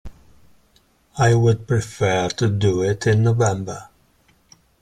I would prefer to do it in November.